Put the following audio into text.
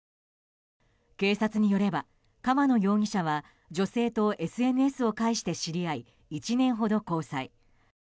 警察によれば河野容疑者は女性とＳＮＳを介して知り合い１年ほど交際。